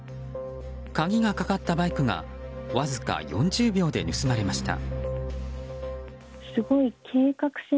鍵がかかったバイクがわずか４０秒で盗まれました。